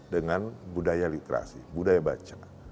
dengan budaya literasi budaya baca